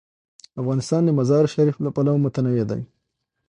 افغانستان د مزارشریف له پلوه متنوع دی.